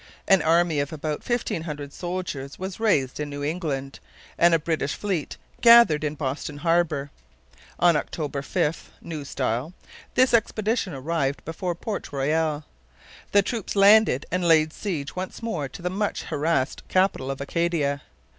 An army of about fifteen hundred soldiers was raised in New England, and a British fleet gathered in Boston Harbour. On October 5 (New Style) this expedition arrived before Port Royal. The troops landed and laid siege once more to the much harassed capital of Acadia.